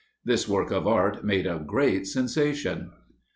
This work of art made a great sensation.